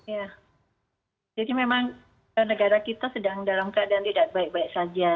ya jadi memang negara kita sedang dalam keadaan tidak baik baik saja